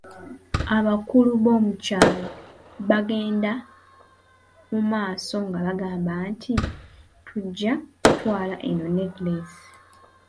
Abakulu bo mu kyalo baagenda mu maaso nga bagamba nti, tujja kutwala eno nekkireesi.